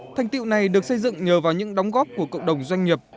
thành tiệu này được xây dựng nhờ vào những đóng góp của cộng đồng doanh nghiệp